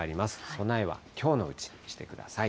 備えはきょうのうちにしてください。